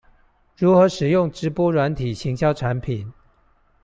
如何使用直播軟體行銷產品